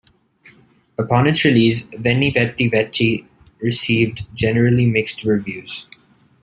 Upon its release, "Venni Vetti Vecci" received generally mixed reviews.